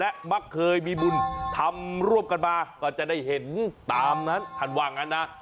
และมักเคยมีบุญทำร่วมกันมาก็จะได้เห็นตามนั้นท่านว่างั้นนะ